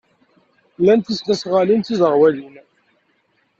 Lan tisnasɣalin d tiẓerwalin.